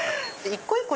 一個一個